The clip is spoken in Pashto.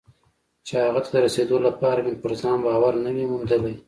چې هغه ته د رسېدو لپاره مې پر ځان باور نه وي موندلی.